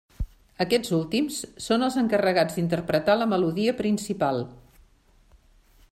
Aquests últims són els encarregats d'interpretar la melodia principal.